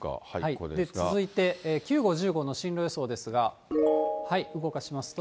続いて９号、１０号の進路予想ですが、動かしますと。